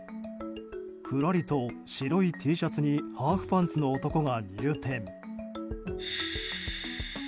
ふらりと白いＴシャツにハーフパンツの男が入店。